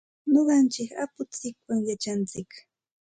Nuqanchik apuntsikwan yachantsik.